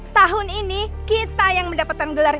tahun ini kita yang mendapatkan gelar